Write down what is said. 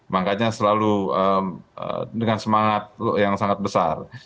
makanya selalu dengan semangat yang sangat besar